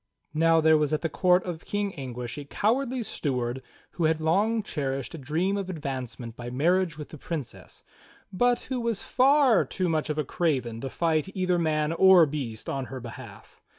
Now there was at the court of King Anguish a cowardly steward who had long cherished a dream of advancement by marriage with the Princess, but who was far too much of a craven to fight either 76 THE STORY OF KING ARTHUR man or beast in her behalf.